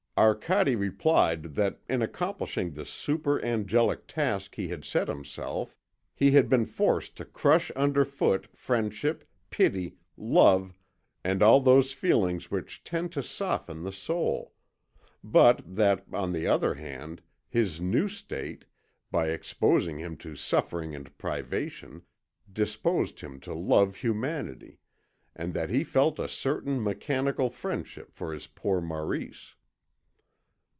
Arcade replied that in accomplishing the super angelic task he had set himself he had been forced to crush under foot friendship, pity, love, and all those feelings which tend to soften the soul; but that, on the other hand, his new state, by exposing him to suffering and privation, disposed him to love Humanity, and that he felt a certain mechanical friendship for his poor Maurice.